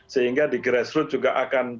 sehingga di grassroot juga akan diberikan